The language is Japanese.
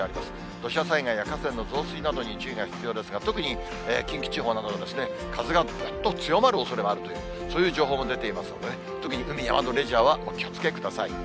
土砂災害や河川の増水などに注意が必要ですが、特に近畿地方など、風がぐっと強まるおそれもあるという、そういう情報も出ていますのでね、特に海、山のレジャーはお気をつけください。